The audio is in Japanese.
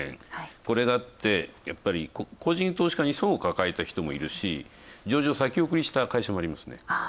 これだって、個人投資家に損を抱えた人もいるし上場を先送りした会社もありますね。